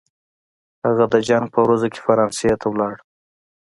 هغه د جنګ په ورځو کې فرانسې ته ولاړ.